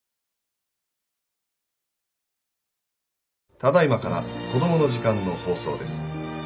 ただいまから「コドモの時間」の放送です。